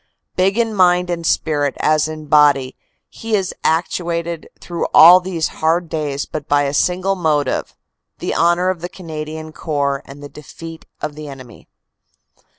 Big in mind and spirit as in body, he is actuated through all these hard days by but a single motive the honor of the Canadian Corps and the defeat of the enemy.